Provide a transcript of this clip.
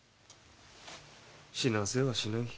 「死なせはしない」